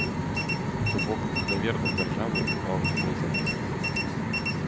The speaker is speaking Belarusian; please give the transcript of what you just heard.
То бок, давер да дзяржавы ўпаў ніжэй за нізкае.